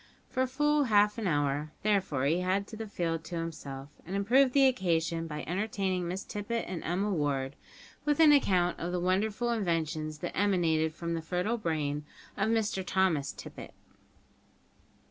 For full half an hour, therefore, he had the field to himself, and improved the occasion by entertaining Miss Tippet and Emma Ward with an account of the wonderful inventions that emanated from the fertile brain of Mr Thomas Tippet.